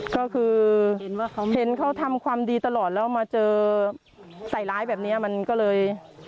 ก็คือเห็นเขาทำความดีตลอดแล้วมาเจอใส่ร้ายแบบนี้มันก็เลย